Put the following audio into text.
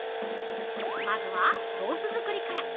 まずはソース作りから。